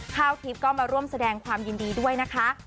ข้าวทิพย์ก็มาร่วมแสดงความยินดีด้วยนะคะ